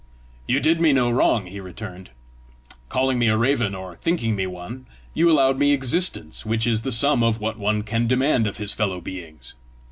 "You did me no wrong," he returned. "Calling me a raven, or thinking me one, you allowed me existence, which is the sum of what one can demand of his fellow beings.